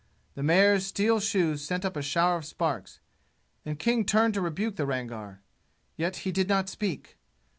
The mare's steel shoes sent up a shower of sparks, and King turned to rebuke the Rangar. Yet he did not speak.